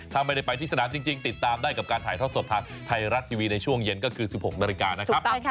ถ้าไม่ได้ไปที่สนามจริงติดตามได้กับการถ่ายทอดสดทางไทยรัฐทีวีในช่วงเย็นก็คือ๑๖นาฬิกานะครับ